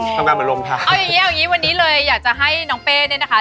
อ้อยยยเอาอย่างงี้วันนี้เลยอยากให้น้องเป้เนี่ยนะคะ